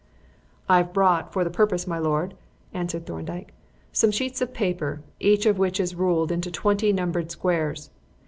"I have brought, for the purpose, my lord," answered Thorndyke, "some sheets of paper, each of which is ruled into twenty numbered squares.